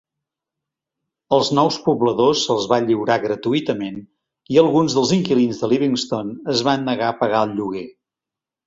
Als nous pobladors se'ls va lliurar gratuïtament i alguns dels inquilins de Livingston es van negar a pagar el lloguer.